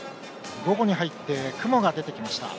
午後に入って雲が出てきました。